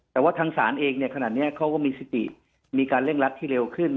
แต่ว่าทางศาลเองขนาดนี้เขาก็มีสติมีการเร่งรัดที่เร็วขึ้น